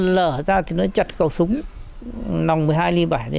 lỡ ra thì nó chặt cầu súng nòng một mươi hai bảy đấy